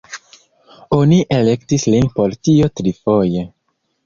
Oni elektis lin por tio trifoje.